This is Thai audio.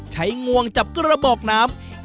งวงจับกระบอกน้ำ